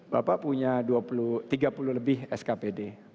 bapak punya tiga puluh lebih skpd